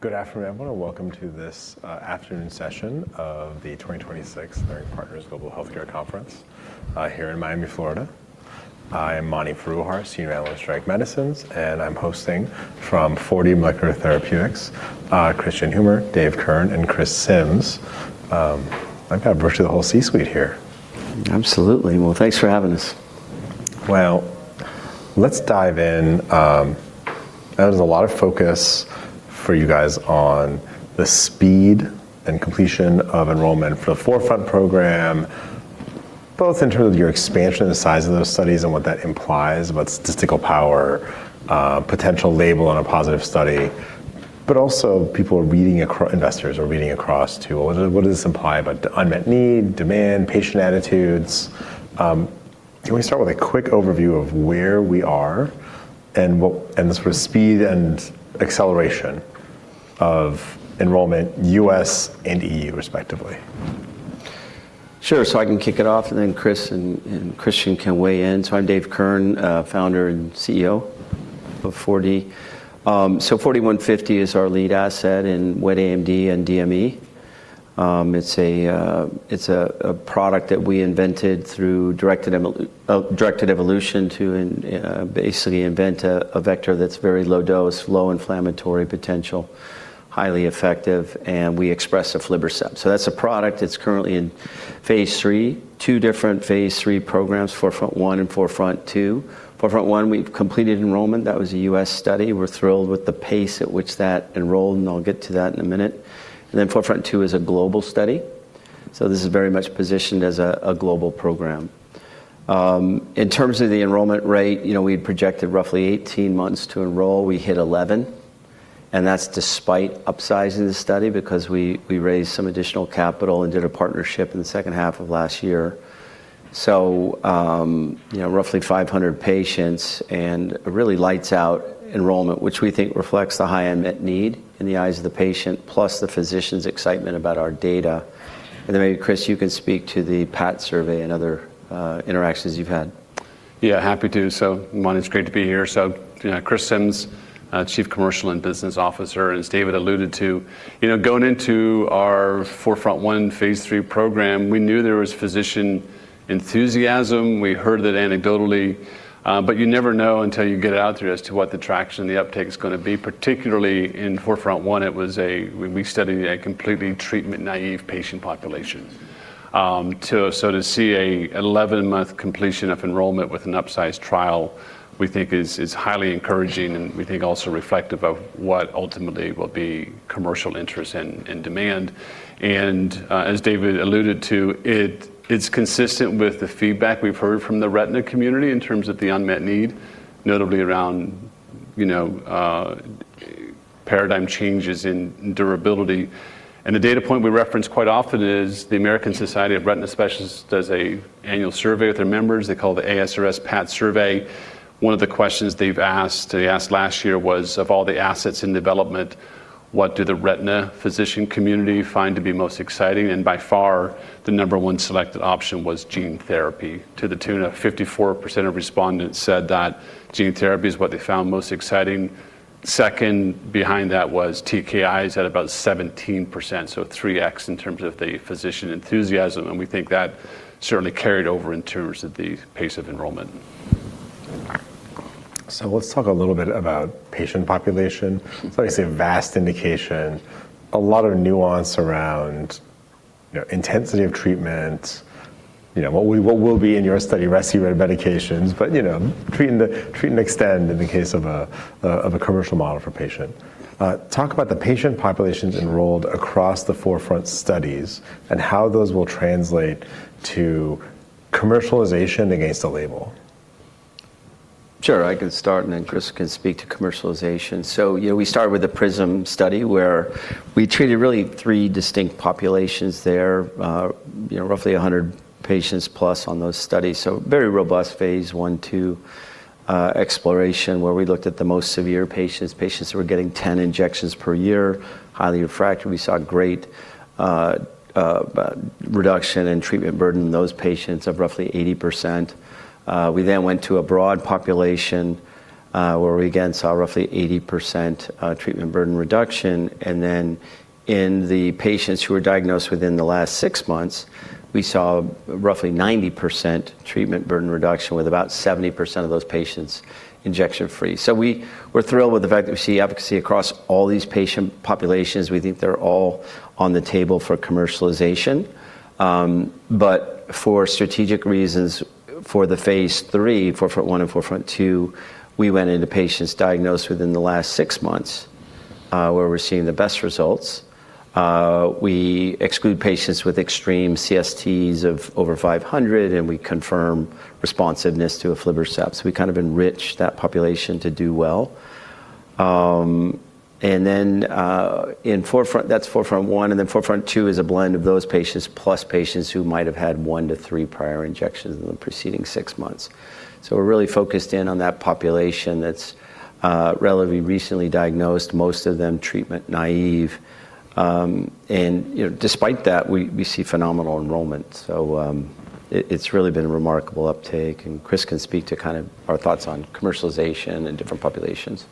Good afternoon, everyone, and welcome to this afternoon session of the 2026 Leerink Partners Global Healthcare Conference here in Miami, Florida. I'm Mani Foroohar, Senior Analyst at Leerink Partners, and I'm hosting from 4D Molecular Therapeutics, Kristian Humer; David Kirn; and Chris Simms. I've got virtually the whole C-suite here. Absolutely. Well, thanks for having us. Well, let's dive in. There's a lot of focus for you guys on the speed and completion of enrollment for the 4FRONT program, both in terms of your expansion and the size of those studies and what that implies about statistical power, potential label on a positive study. Also, people are reading across to what does this imply about unmet need, demand, patient attitudes. Can we start with a quick overview of where we are and the sort of speed and acceleration of enrollment, U.S. and EU, respectively? Sure. I can kick it off, and then Chris and Kristian can weigh in. I'm David Kirn, Founder and CEO of 4D. 4D-150 is our lead asset in Wet AMD and DME. It's a product that we invented through directed evolution to basically invent a vector that's very low dose, low inflammatory potential, highly effective, and we express aflibercept. That's a product that's currently in phase III. Two different phase III programs, 4FRONT-1 and 4FRONT-2. 4FRONT-1, we've completed enrollment. That was a U.S. study. We're thrilled with the pace at which that enrolled, and I'll get to that in a minute. 4FRONT-2 is a global study. This is very much positioned as a global program. In terms of the enrollment rate, you know, we'd projected roughly 18 months to enroll. We hit 11, and that's despite upsizing the study because we raised some additional capital and did a partnership in the second half of last year. You know, roughly 500 patients and a really lights out enrollment, which we think reflects the high unmet need in the eyes of the patient, plus the physicians' excitement about our data. Then maybe, Chris, you can speak to the PAT survey and other interactions you've had. Yeah, happy to. Mani, it's great to be here. You know, Chris Simms, Chief Commercial and Business Officer, as David alluded to. You know, going into our 4FRONT-1 phase III program, we knew there was physician enthusiasm. We heard it anecdotally, but you never know until you get it out there as to what the traction and the uptake is gonna be, particularly in 4FRONT-1. We studied a completely treatment-naive patient population. To see an 11-month completion of enrollment with an upsized trial, we think is highly encouraging and we think also reflective of what ultimately will be commercial interest and demand. As David alluded to, it's consistent with the feedback we've heard from the retina community in terms of the unmet need, notably around, you know, paradigm changes in durability. The data point we reference quite often is the American Society of Retina Specialists does an annual survey with their members. They call it the ASRS PAT Survey. One of the questions they asked last year was, of all the assets in development, what do the retina physician community find to be most exciting? By far, the number one selected option was gene therapy, to the tune of 54% of respondents said that gene therapy is what they found most exciting. Second behind that was TKIs at about 17%, so 3x in terms of the physician enthusiasm. We think that certainly carried over in terms of the pace of enrollment. Let's talk a little bit about patient population. It's obviously a vast indication, a lot of nuance around, you know, intensity of treatment, you know, what will be in your study, rescue therapy medications. You know, treat and extend in the case of a commercial model for patient. Talk about the patient populations enrolled across the 4FRONT studies and how those will translate to commercialization against the label. Sure. I can start, and then Chris can speak to commercialization. You know, we start with the PRISM study where we treated really three distinct populations there. You know, roughly 100 patients plus on those studies, so very robust phase I/II exploration where we looked at the most severe patients who are getting 10 injections per year, highly refractory. We saw great reduction in treatment burden in those patients of roughly 80%. We then went to a broad population where we again saw roughly 80% treatment burden reduction. In the patients who were diagnosed within the last six months, we saw roughly 90% treatment burden reduction, with about 70% of those patients injection-free. We're thrilled with the fact that we see efficacy across all these patient populations. We think they're all on the table for commercialization. For strategic reasons, for the phase III, 4FRONT-1 and 4FRONT-2, we went into patients diagnosed within the last six months, where we're seeing the best results. We exclude patients with extreme CSTs of over 500, and we confirm responsiveness to aflibercept, so we kind of enrich that population to do well. In 4FRONT-1, that's 4FRONT-1, and then 4FRONT-2 is a blend of those patients, plus patients who might have had one to three prior injections in the preceding six months. We're really focused in on that population that's relatively recently diagnosed, most of them treatment naive. You know, despite that, we see phenomenal enrollment. It's really been a remarkable uptake, and Chris can speak to kind of our thoughts on commercialization in different populations.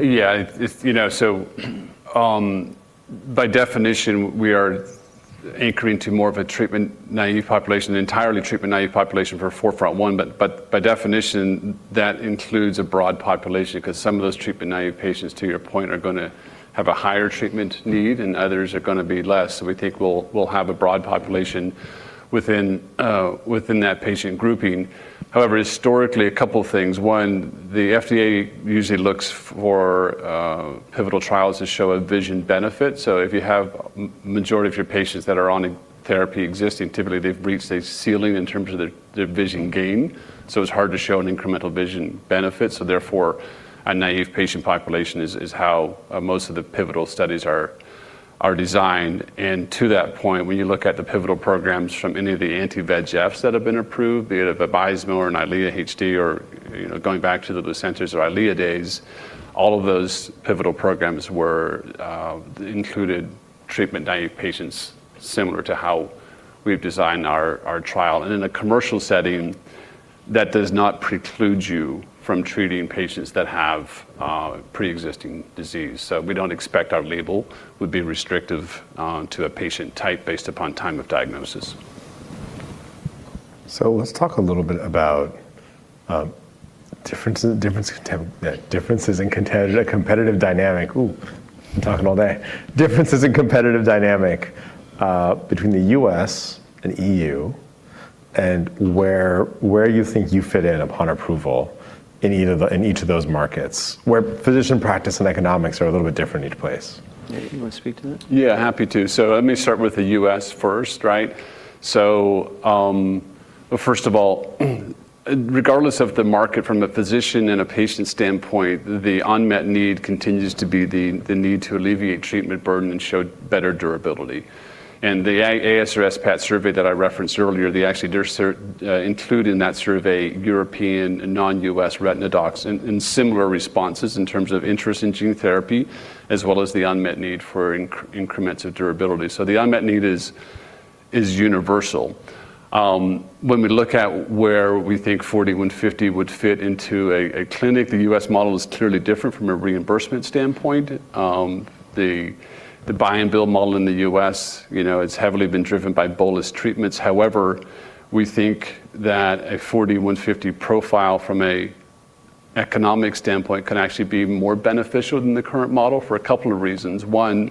Yeah. It's, you know, by definition, we are anchoring to more of a treatment-naive population, an entirely treatment-naive population for 4FRONT-1, but by definition, that includes a broad population because some of those treatment-naive patients, to your point, are gonna have a higher treatment need, and others are gonna be less. We think we'll have a broad population within within that patient grouping. However, historically, a couple things. One, the FDA usually looks for pivotal trials to show a vision benefit. If you have majority of your patients that are on an existing therapy, typically they've reached a ceiling in terms of their vision gain, so it's hard to show an incremental vision benefit. Therefore, a naive patient population is how most of the pivotal studies are designed. To that point, when you look at the pivotal programs from any of the anti-VEGFs that have been approved, be it bevacizumab or an EYLEA HD or, you know, going back to the Lucentis or Eylea days, all of those pivotal programs were included treatment-naive patients similar to how we've designed our trial. In a commercial setting, that does not preclude you from treating patients that have preexisting disease. We don't expect our label would be restrictive to a patient type based upon time of diagnosis. Let's talk a little bit about differences in competitive dynamic between the U.S. and E.U. and where you think you fit in upon approval in each of those markets, where physician practice and economics are a little bit different in each place. Yeah. You wanna speak to that? Yeah, happy to. Let me start with the U.S. first, right? First of all, regardless of the market from a physician and a patient standpoint, the unmet need continues to be the need to alleviate treatment burden and show better durability. The ASRS PAT survey that I referenced earlier, they actually did include in that survey European and non-U.S. retina docs and similar responses in terms of interest in gene therapy, as well as the unmet need for increments of durability. The unmet need is universal. When we look at where we think 4D-150 would fit into a clinic, the U.S. model is clearly different from a reimbursement standpoint. The buy and bill model in the U.S., you know, it's heavily been driven by bolus treatments. However, we think that a 4D-150 profile from an economic standpoint can actually be more beneficial than the current model for a couple of reasons. One,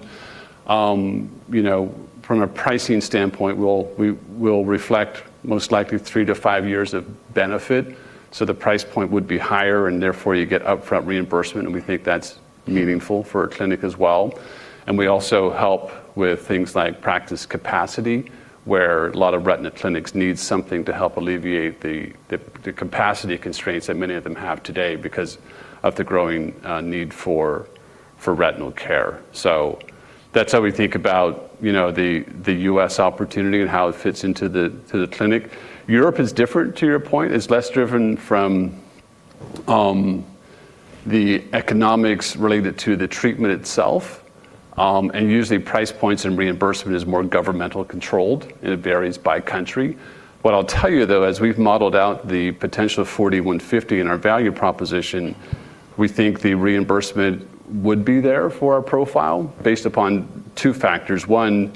you know, from a pricing standpoint, we will reflect most likely three to five years of benefit, so the price point would be higher, and therefore, you get upfront reimbursement, and we think that's meaningful for a clinic as well. We also help with things like practice capacity, where a lot of retina clinics need something to help alleviate the capacity constraints that many of them have today because of the growing need for retinal care. So that's how we think about the U.S. opportunity and how it fits into the clinic. Europe is different to your point. It's less driven from the economics related to the treatment itself usually price points and reimbursement is more government controlled, and it varies by country. What I'll tell you, though, as we've modeled out the potential of 4D-150 in our value proposition, we think the reimbursement would be there for our profile based upon two factors. One,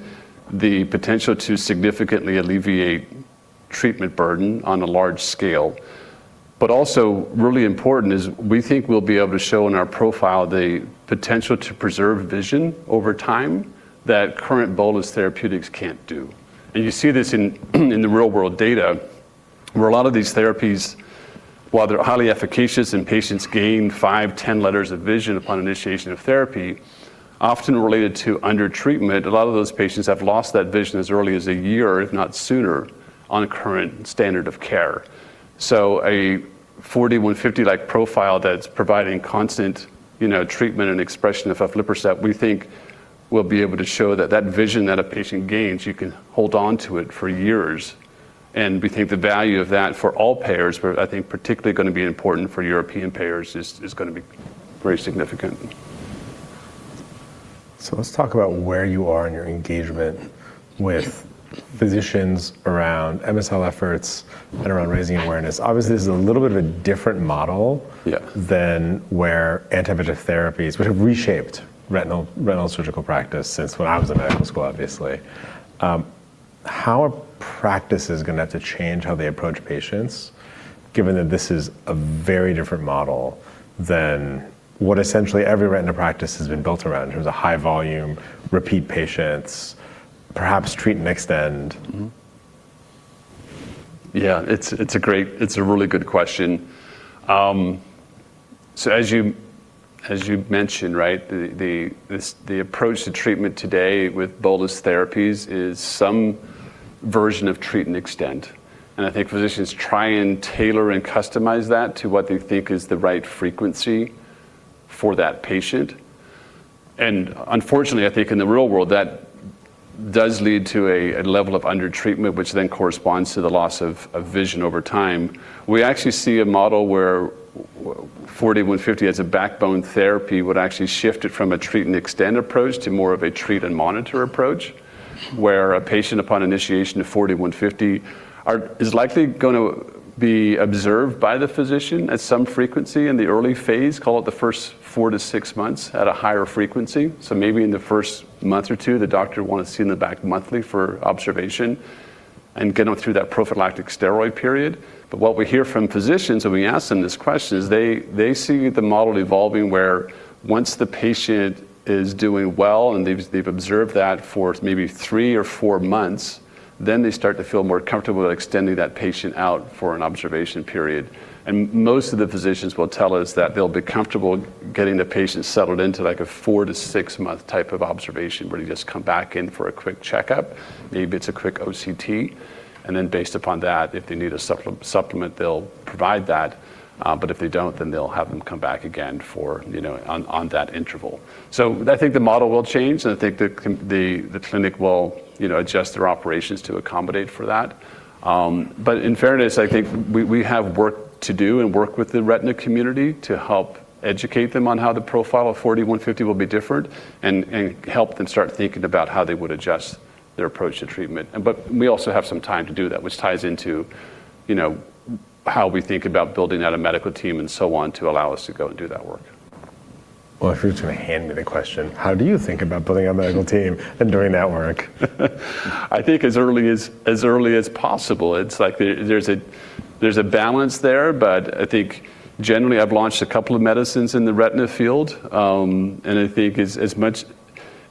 the potential to significantly alleviate treatment burden on a large scale. also really important is we think we'll be able to show in our profile the potential to preserve vision over time that current bolus therapeutics can't do. you see this in the real world data, where a lot of these therapies, while they're highly efficacious and patients gain 5, 10 letters of vision upon initiation of therapy, often related to undertreatment, a lot of those patients have lost that vision as early as a year, if not sooner, on current standard of care. A 4D-150-like profile that's providing constant, you know, treatment and expression of aflibercept, we think we'll be able to show that vision that a patient gains, you can hold on to it for years. We think the value of that for all payers, but I think particularly gonna be important for European payers is gonna be very significant. Let's talk about where you are in your engagement with physicians around MSL efforts and around raising awareness. Obviously, this is a little bit of a different model than where anti-VEGF therapies, which have reshaped retinal surgical practice since when I was in medical school, obviously. How are practices gonna have to change how they approach patients, given that this is a very different model than what essentially every retina practice has been built around in terms of high volume, repeat patients, perhaps treat and extend? Yeah, it's a really good question. So as you mentioned, right? The approach to treatment today with bolus therapies is some version of treat and extend. I think physicians try and tailor and customize that to what they think is the right frequency for that patient. Unfortunately, I think in the real world, that does lead to a level of undertreatment which then corresponds to the loss of vision over time. We actually see a model where 4D-150 as a backbone therapy would actually shift it from a treat and extend approach to more of a treat and monitor approach, where a patient upon initiation of 4D-150 is likely gonna be observed by the physician at some frequency in the early phase, call it the first four to six months at a higher frequency. Maybe in the first month or two, the doctor will wanna see them back monthly for observation. Getting them through that prophylactic steroid period. What we hear from physicians when we ask them this question is they see the model evolving where once the patient is doing well and they've observed that for maybe three or four months, then they start to feel more comfortable extending that patient out for an observation period. Most of the physicians will tell us that they'll be comfortable getting the patient settled into like a four to six month type of observation where you just come back in for a quick checkup, maybe it's a quick OCT, and then based upon that, if they need a supplement, they'll provide that, but if they don't, then they'll have them come back again for, you know, on that interval. I think the model will change, and I think the clinic will, you know, adjust their operations to accommodate for that. But in fairness, I think we have work to do and work with the retina community to help educate them on how the profile of 4D-150 will be different and help them start thinking about how they would adjust their approach to treatment. We also have some time to do that, which ties into, you know, how we think about building out a medical team and so on to allow us to go and do that work. Well, if you're just gonna hand me the question, how do you think about building a medical team and doing that work? I think as early as possible. It's like there's a balance there, but I think generally I've launched a couple of medicines in the retina field, and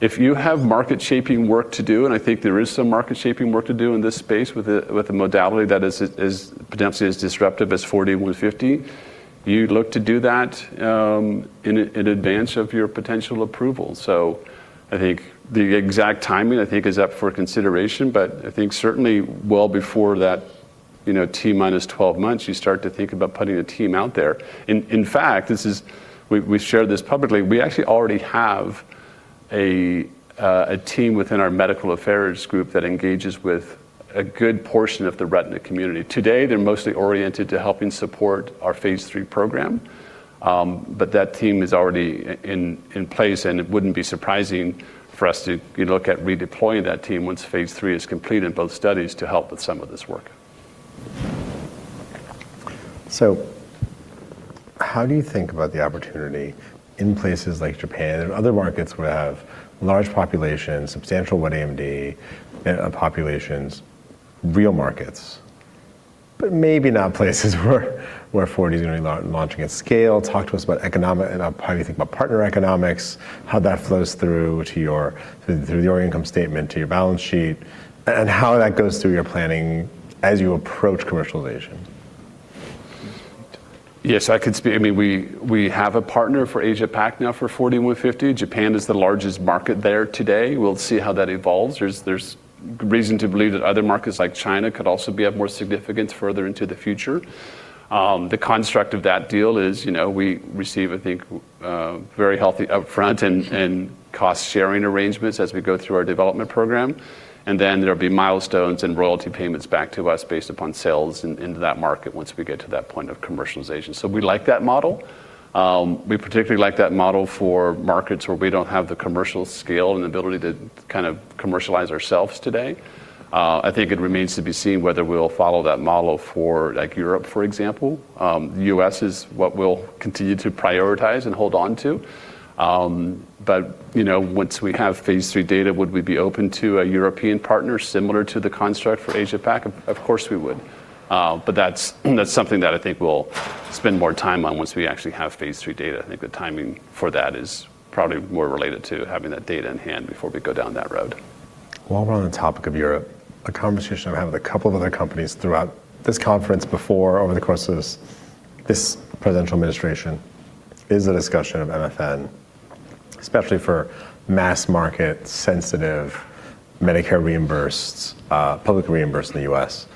if you have market-shaping work to do, and I think there is some market-shaping work to do in this space with a modality that is as potentially as disruptive as 4D-150, you look to do that in advance of your potential approval. I think the exact timing I think is up for consideration, but I think certainly well before that, you know, T minus 12 months, you start to think about putting a team out there. In fact, we shared this publicly. We actually already have a team within our medical affairs group that engages with a good portion of the retina community. Today, they're mostly oriented to helping support our phase III program, but that team is already in place, and it wouldn't be surprising for us to, you know, look at redeploying that team once phase III is complete in both studies to help with some of this work. How do you think about the opportunity in places like Japan and other markets where they have large populations, substantial Wet AMD populations, real markets, but maybe not places where 4D is gonna be launching at scale. Talk to us about economics and how you think about partner economics, how that flows through to your income statement to your balance sheet, and how that goes through your planning as you approach commercialization. Yes, I could speak. I mean, we have a partner for Asia Pac now for 4D-150. Japan is the largest market there today. We'll see how that evolves. There's reason to believe that other markets like China could also be of more significance further into the future. The construct of that deal is, you know, we receive, I think, very healthy upfront and cost-sharing arrangements as we go through our development program, and then there'll be milestones and royalty payments back to us based upon sales into that market once we get to that point of commercialization. We like that model. We particularly like that model for markets where we don't have the commercial scale and ability to kind of commercialize ourselves today. I think it remains to be seen whether we'll follow that model for like Europe, for example. U.S. is what we'll continue to prioritize and hold on to. You know, once we have phase III data, would we be open to a European partner similar to the construct for Asia Pac? Of course, we would. That's something that I think we'll spend more time on once we actually have phase III data. I think the timing for that is probably more related to having that data in hand before we go down that road. While we're on the topic of Europe, a conversation I've had with a couple of other companies throughout this conference before over the course of this presidential administration is a discussion of MFN, especially for mass market sensitive Medicare reimbursed, public reimbursed in the U.S.,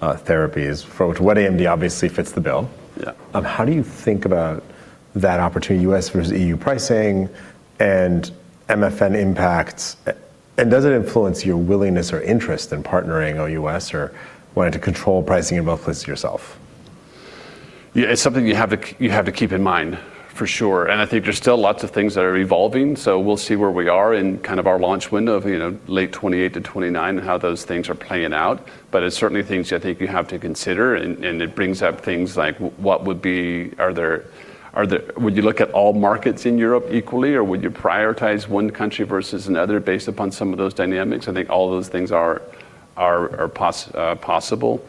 therapies for which Wet AMD obviously fits the bill. Yeah. How do you think about that opportunity, U.S. versus EU pricing and MFN impacts? Does it influence your willingness or interest in partnering OUS or wanting to control pricing in both places yourself? Yeah, it's something you have to keep in mind, for sure. I think there's still lots of things that are evolving, so we'll see where we are in kind of our launch window of, you know, late 2028-2029 and how those things are playing out. It's certainly things that I think you have to consider and it brings up things like what would be are there would you look at all markets in Europe equally, or would you prioritize one country versus another based upon some of those dynamics. I think all of those things are possible.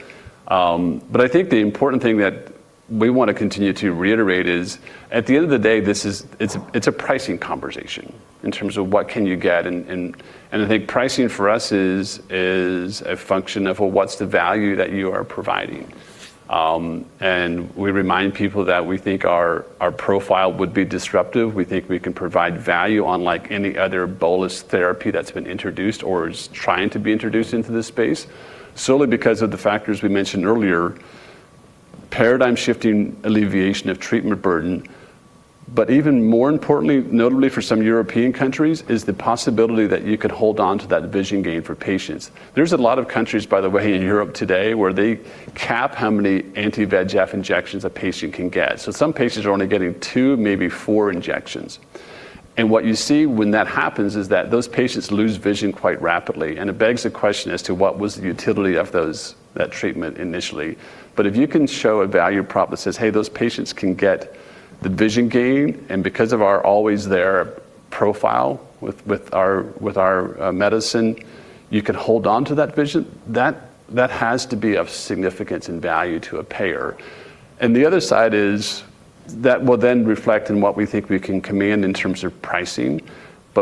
I think the important thing that we want to continue to reiterate is, at the end of the day, this is a pricing conversation in terms of what can you get and I think pricing for us is a function of what's the value that you are providing. We remind people that we think our profile would be disruptive. We think we can provide value unlike any other bolus therapy that's been introduced or is trying to be introduced into this space solely because of the factors we mentioned earlier, paradigm-shifting alleviation of treatment burden. Even more importantly, notably for some European countries, is the possibility that you could hold on to that vision gain for patients. There's a lot of countries, by the way, in Europe today where they cap how many anti-VEGF injections a patient can get. Some patients are only getting two, maybe four injections. What you see when that happens is that those patients lose vision quite rapidly, and it begs the question as to what was the utility of those treatments initially. If you can show a value prop that says, "Hey, those patients can get the vision gain, and because of our always there profile with our medicine, you could hold on to that vision." That has to be of significance and value to a payer. The other side is that will then reflect on what we think we can command in terms of pricing.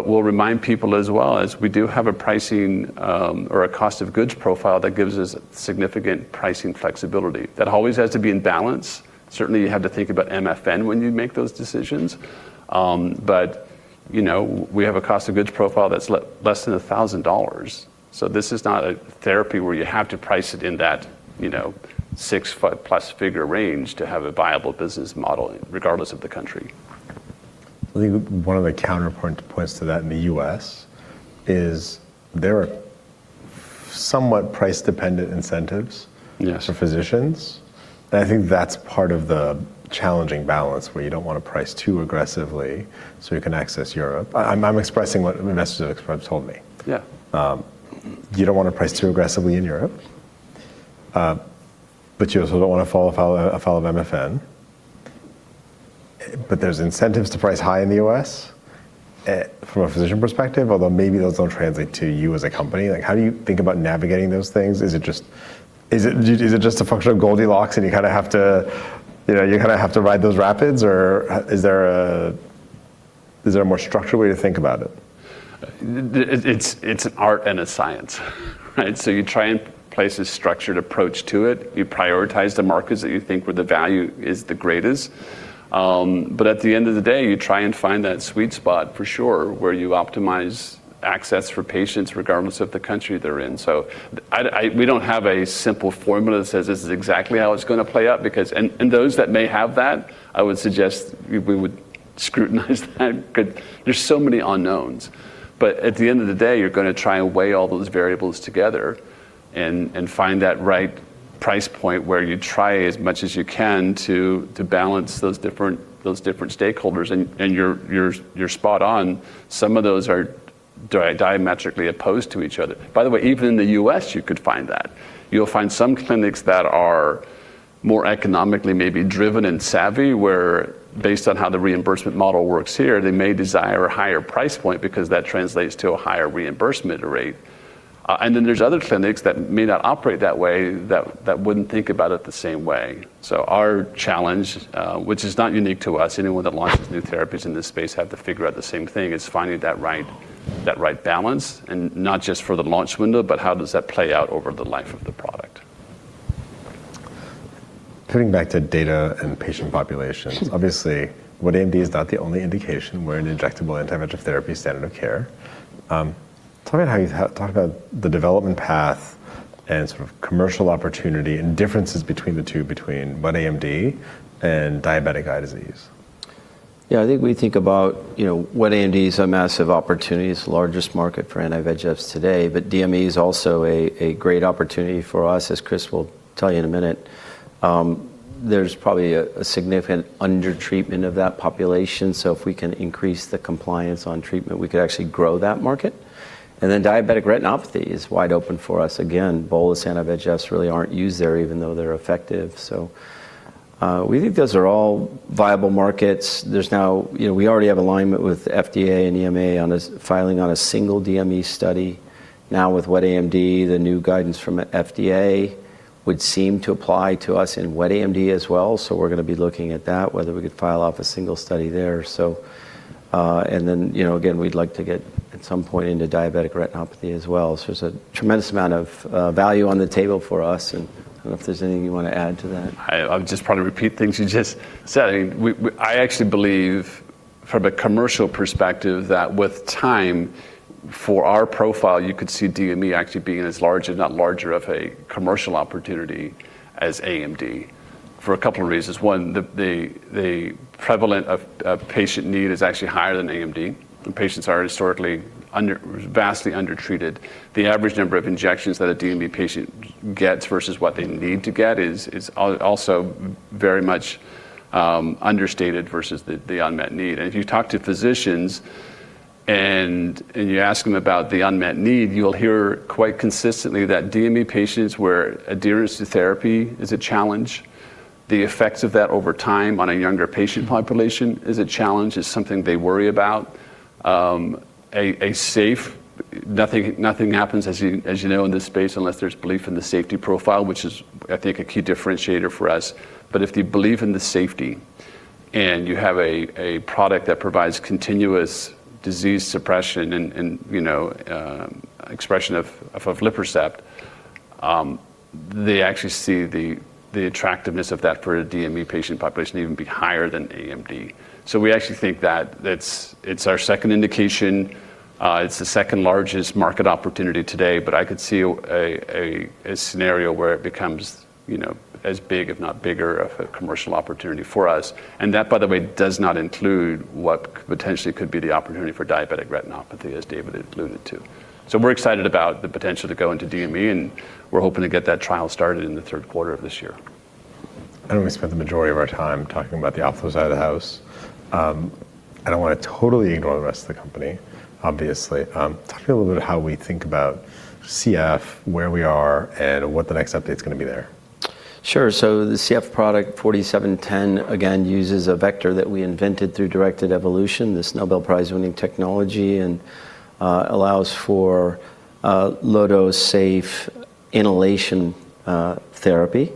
We'll remind people as well as we do have a pricing or a cost of goods profile that gives us significant pricing flexibility. That always has to be in balance. Certainly, you have to think about MFN when you make those decisions. You know, we have a cost of goods profile that's less than $1,000. This is not a therapy where you have to price it in that, you know, six, five plus figure range to have a viable business model regardless of the country. I think one of the counterpoint points to that in the U.S. is there are somewhat price-dependent incentives. Yes...for physicians. I think that's part of the challenging balance where you don't wanna price too aggressively, so you can access Europe. I'm expressing what investors have told me. Yeah. You don't wanna price too aggressively in Europe, but you also don't wanna follow MFN. There's incentives to price high in the U.S. From a physician perspective, although maybe those don't translate to you as a company. Like, how do you think about navigating those things? Is it just a function of Goldilocks, and you kind of have to, you know, you kind of have to ride those rapids or is there a more structured way to think about it? It's an art and a science, right? You try and place a structured approach to it. You prioritize the markets that you think where the value is the greatest. At the end of the day, you try and find that sweet spot for sure, where you optimize access for patients regardless of the country they're in. We don't have a simple formula that says this is exactly how it's gonna play out because those that may have that, I would suggest we would scrutinize that 'cause there's so many unknowns. At the end of the day, you're gonna try and weigh all those variables together and find that right price point where you try as much as you can to balance those different stakeholders. You're spot on. Some of those are diametrically opposed to each other. By the way, even in the U.S., you could find that. You'll find some clinics that are more economically maybe driven and savvy, where based on how the reimbursement model works here, they may desire a higher price point because that translates to a higher reimbursement rate. There's other clinics that may not operate that way that wouldn't think about it the same way. Our challenge, which is not unique to us, anyone that launches new therapies in this space have to figure out the same thing, is finding that right balance. Not just for the launch window, but how does that play out over the life of the product? Coming back to data and patient populations. Sure Obviously, Wet AMD is not the only indication where an injectable anti-VEGF therapy is standard of care. Talk about the development path and sort of commercial opportunity and differences between the two, between Wet AMD and diabetic eye disease. Yeah. I think we think about, you know, Wet AMD is a massive opportunity. It's the largest market for anti-VEGFs today. DME is also a great opportunity for us, as Chris will tell you in a minute. There's probably a significant under-treatment of that population, so if we can increase the compliance on treatment, we could actually grow that market. Then diabetic retinopathy is wide open for us. Again, bolus anti-VEGFs really aren't used there even though they're effective. We think those are all viable markets. There's now. You know, we already have alignment with FDA and EMA on this filing on a single DME study. Now with Wet AMD, the new guidance from FDA would seem to apply to us in Wet AMD as well, so we're gonna be looking at that, whether we could file off a single study there and then, you know, again, we'd like to get at some point into diabetic retinopathy as well. There's a tremendous amount of value on the table for us and I don't know if there's anything you wanna add to that. I would just probably repeat things you just said. I mean, I actually believe from a commercial perspective that with time, for our profile, you could see DME actually being as large, if not larger, of a commercial opportunity as AMD for a couple of reasons. One, the prevalence of patient need is actually higher than AMD, and patients are historically vastly undertreated. The average number of injections that a DME patient gets versus what they need to get is also very much understated versus the unmet need. If you talk to physicians and you ask them about the unmet need, you'll hear quite consistently that DME patients where adherence to therapy is a challenge. The effects of that over time on a younger patient population is a challenge, it's something they worry about. Nothing happens, as you know, in this space unless there's belief in the safety profile, which is, I think, a key differentiator for us. If they believe in the safety, and you have a product that provides continuous disease suppression and, you know, expression of aflibercept, they actually see the attractiveness of that for a DME patient population even be higher than AMD. We actually think that it's our second indication. It's the second largest market opportunity today. I could see a scenario where it becomes, you know, as big if not bigger of a commercial opportunity for us. That, by the way, does not include what potentially could be the opportunity for diabetic retinopathy, as David alluded to. We're excited about the potential to go into DME, and we're hoping to get that trial started in the third quarter of this year. I know we spent the majority of our time talking about the alpha side of the house. I don't wanna totally ignore the rest of the company, obviously. Talk to me a little bit how we think about CF, where we are, and what the next update's gonna be there. Sure. The CF product 4D-710 again uses a vector that we invented through directed evolution, this Nobel Prize-winning technology, and allows for a low-dose, safe inhalation therapy.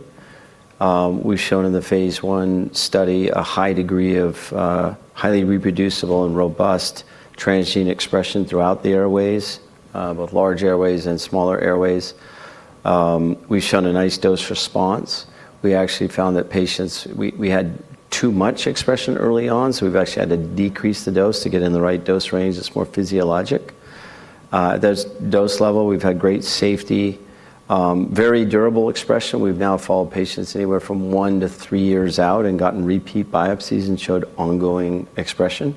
We've shown in the phase I study a high degree of highly reproducible and robust transgene expression throughout the airways, both large airways and smaller airways. We've shown a nice dose response. We had too much expression early on, so we've actually had to decrease the dose to get in the right dose range that's more physiologic. At this dose level, we've had great safety, very durable expression. We've now followed patients anywhere from one to three years out and gotten repeat biopsies and showed ongoing expression.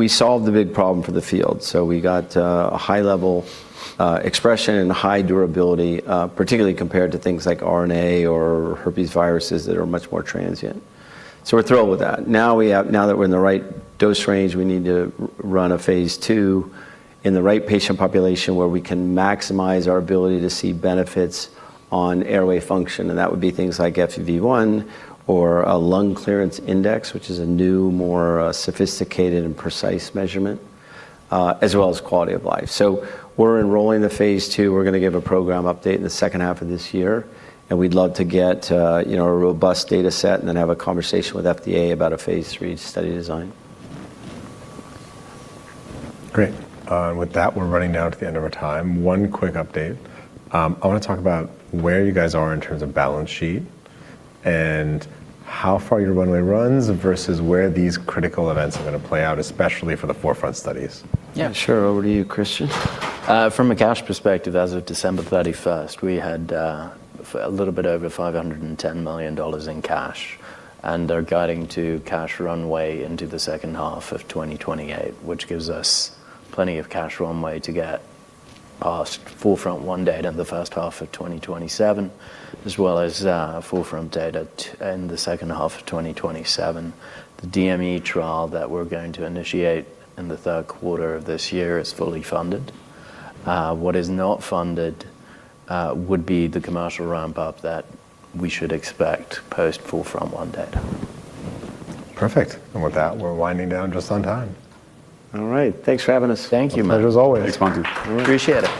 We solved the big problem for the field. We got a high level expression and high durability, particularly compared to things like RNA or herpesviruses that are much more transient. We're thrilled with that. Now that we're in the right dose range, we need to run a phase II in the right patient population where we can maximize our ability to see benefits on airway function, and that would be things like FEV1 or a Lung Clearance Index, which is a new, more sophisticated and precise measurement, as well as quality of life. We're enrolling the phase II. We're gonna give a program update in the second half of this year, and we'd love to get you know, a robust data set and then have a conversation with FDA about a phase III study design. Great. With that, we're running now to the end of our time. One quick update. I wanna talk about where you guys are in terms of balance sheet and how far your runway runs versus where these critical events are gonna play out, especially for the 4FRONT studies. Yeah, sure. Over to you, Kristian. From a cash perspective, as of December 31st, we had a little bit over $510 million in cash, and are guiding to cash runway into the second half of 2028, which gives us plenty of cash runway to get past 4FRONT-1 data in the first half of 2027, as well as 4FRONT-2 data in the second half of 2027. The DME trial that we're going to initiate in the third quarter of this year is fully funded. What is not funded would be the commercial ramp-up that we should expect post 4FRONT-1 data. Perfect. With that, we're winding down just on time. All right. Thanks for having us. Thank you. Pleasure as always. Thanks, Mani. Appreciate it.